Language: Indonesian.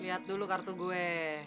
lihat dulu kartu gue